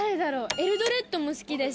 エルドレッドも好きだし。